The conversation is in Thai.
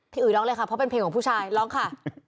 อุ๋ยร้องเลยค่ะเพราะเป็นเพลงของผู้ชายร้องค่ะ